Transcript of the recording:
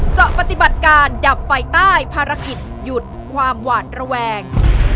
จะปฏิบัติการดับไฟใต้ภารกิจหยุดความหวานระแวง